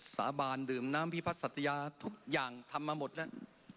สาบานดื่มน้ำพิพัฒนสัตยาทุกอย่างทำมาหมดแล้ว